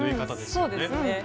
そうですね。